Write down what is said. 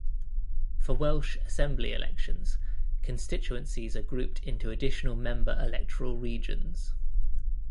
For Welsh Assembly elections, constituencies are grouped into additional member electoral regions.